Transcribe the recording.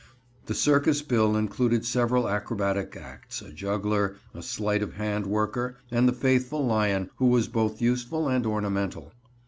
The circus bill included several acrobatic acts, a juggler, a sleight of hand worker, and the faithful lion who was both useful and ornamental.